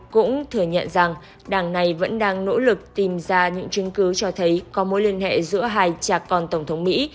cũng thừa nhận rằng đảng này vẫn đang nỗ lực tìm ra những chứng cứ cho thấy có mối liên hệ giữa hai cha con tổng thống mỹ